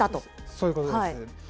そういうことです。